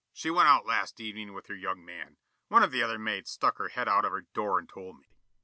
She went out last evening with her young man. One of the other maids stuck her head out of her door and told me."